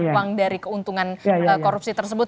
uang dari keuntungan korupsi tersebut